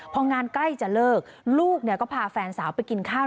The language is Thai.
พองานใกล้จะเลิกลูกก็พาแฟนสาวไปกินข้าว